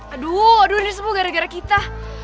aduh aduh ini semua gara gara kita